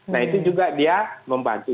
nah itu juga dia membantu